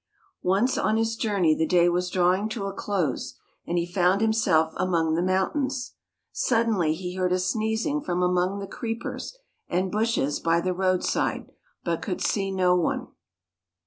Once on his journey the day was drawing to a close, and he found himself among the mountains. Suddenly he heard a sneezing from among the creepers and bushes by the roadside, but could see no one.